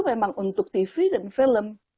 memang untuk tv dan film